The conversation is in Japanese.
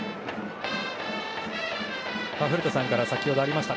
古田さんから先ほどありました